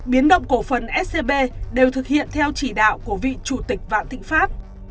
biến động cổ phần scb đều thực hiện theo chỉ đạo của vị chủ tịch vạn thịnh pháp